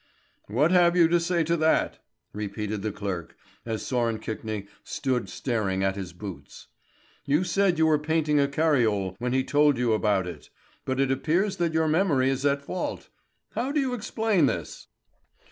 "What have you to say to that?" repeated the clerk, as Sören Kvikne stood staring at his boots. "You said you were painting a cariole when he told you about it; but it appears that your memory is at fault. How do you explain this?"